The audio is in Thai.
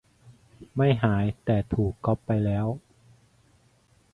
ไม่หาย แต่ถูกก๊อปไปแล้ว?